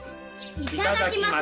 いただきます。